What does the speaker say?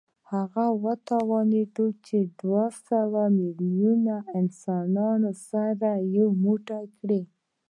هغه وتوانېد چې دوه سوه میلیونه انسانان سره یو موټی کړي